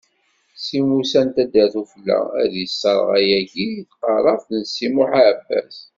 Si Musa n taddart ufella, ad isserɣ ayagi deg tqeṛṛabt n Si Muḥ Aɛebbas.